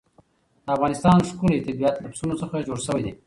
د افغانستان ښکلی طبیعت له پسونو څخه جوړ شوی دی.